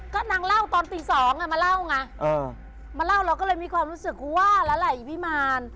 ก็นางเล่าตอนตี๒มาเล่าไงมาเล่าแล้วก็เลยมีความรู้สึกว่าแล้วล่ะไอ้พี่มาร